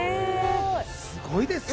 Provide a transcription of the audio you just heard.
すごいですよね！